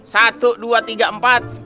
satu dua tiga empat